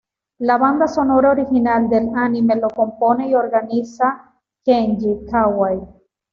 La banda sonora original del anime lo compone y organiza Kenji Kawai.